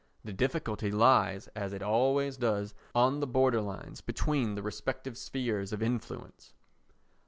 The difficulty lies, as it always does, on the border lines between the respective spheres of influence.